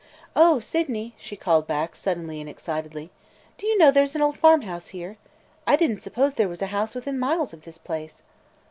"O Sydney!" she called back, suddenly and excitedly, "do you know there 's an old farmhouse here? I did n't suppose there was a house within miles of this place."